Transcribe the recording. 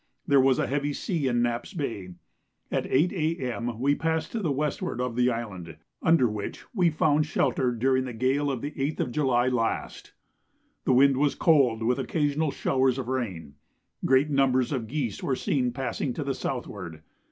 There was a heavy sea in Knapp's Bay. At 8 A.M. we passed to the westward of the island, under which we found shelter during the gale of the 8th of July last. The wind was cold, with occasional showers of rain. Great numbers of geese were seen passing to the southward.